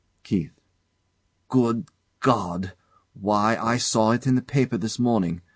KEITH. Good God! Why, I saw it in the paper this morning.